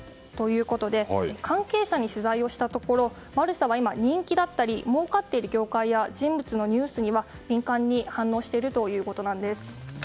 関係者に取材したところマルサは今、人気だったりもうかっている業界や人物のニュースには敏感に反応しているということです。